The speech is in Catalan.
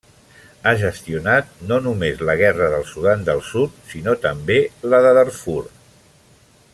Ha gestionat no només la guerra del Sudan del Sud sinó també la de Darfur.